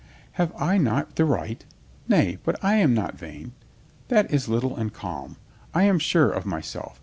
"Have I not the right? Nay, but I am not vain. That is little and calm. I am sure of myself.